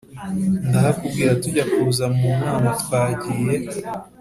ndahakubwira; tujya kuza mu nama twagiye